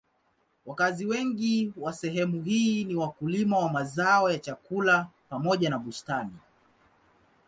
Wakazi wengi wa sehemu hii ni wakulima wa mazao ya chakula pamoja na bustani.